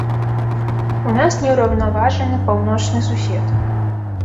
У нас неўраўнаважаны паўночны сусед.